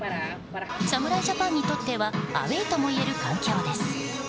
侍ジャパンにとってはアウェーともいえる環境です。